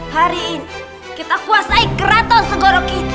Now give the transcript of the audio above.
hari ini kita kuasai keraton segoro kita